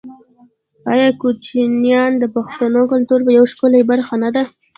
آیا کوچیان د پښتنو د کلتور یوه ښکلې برخه نه ده؟